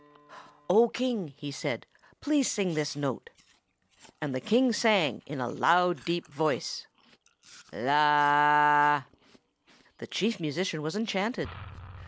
"O King," he said, "please sing this note." And the King sang, in a loud, deep voice, The Chief Musician was enchanted.